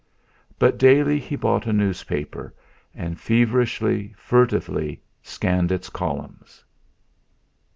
But daily he bought a newspaper, and feverishly, furtively scanned its columns.